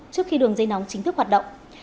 trước khi đường dây nóng chính thức hoạt động